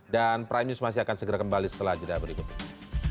dan prime news masih akan segera kembali setelah jadwal berikutnya